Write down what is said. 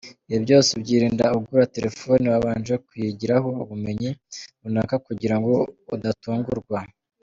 Ibi byose ubyirinda ugura telefoni wabanje kuyigiraho ubumenyi runaka kugira ngo udatungurwa.